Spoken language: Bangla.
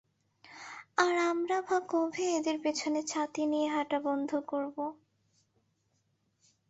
আর আমরা বা কবে এঁদের পেছনে ছাতি নিয়ে হাঁটা বন্ধ করব।